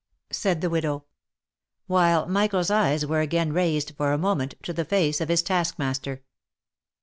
said the widow, while Michael's eyes were again raised for a moment to the face of his taskmaster.